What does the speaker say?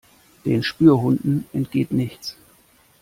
Den Spürhunden entgeht nichts.